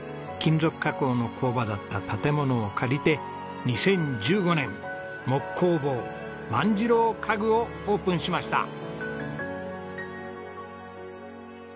金属加工の工場だった建物を借りて２０１５年木工房萬次郎家具をオープンしました。